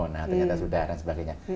nah ternyata sudah dan sebagainya